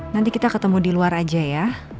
nanti kita ketemu di luar aja ya